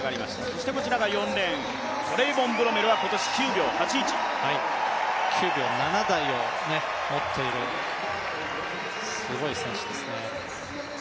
そしてこちらが４レーン、トレイボン・ブロメルが９秒７台を持っているすごい選手ですね。